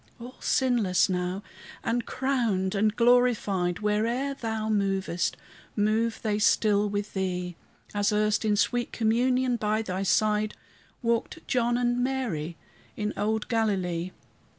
All sinless now, and crowned and glorified, Where'er thou movest move they still with thee, As erst, in sweet communion by thy side, Walked John and Mary in old Galilee.